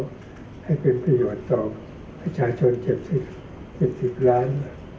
ให้เป็นประโยชน์ต่อประชาชน๗๐๗๐ล้าน